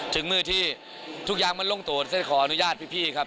ถึงมือที่ทุกอย่างมันโล่งโตรคออนุญาตพี่ครับ